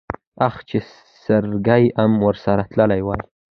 اخ چې سرګي ام ورسره تلی وای.